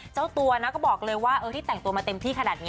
เจ้าตัวนะก็บอกเลยว่าที่แต่งตัวมาเต็มที่ขนาดนี้